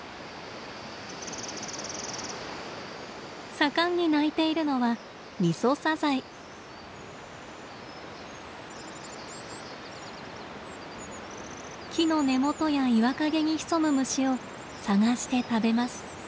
盛んに鳴いているのは木の根元や岩陰に潜む虫を探して食べます。